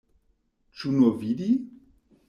Ĉu nur vidi?